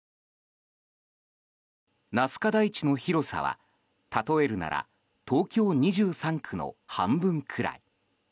ナスカ台地の広さは例えるなら東京２３区の半分くらい。